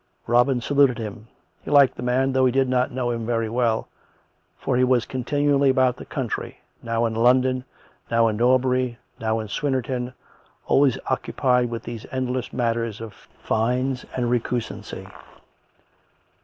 Robin saluted him. He liked this man, though he did not know him very well; for he was continually about the country, now in London, now at Norbury, now at Swin nerton, always occupied with these endless matters of fines and recusancy.